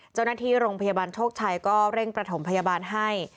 เจ้าหน้าที่โรงพยาบาลโชคชัยก็เร่งประถมพยาบาลให้